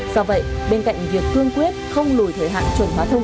do vậy bên cạnh việc cương quyết không lùi thời hạn chuẩn bá thân